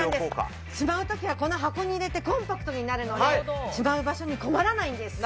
しまう時は箱に入れてコンパクトになるのでしまう場所に困らないんです。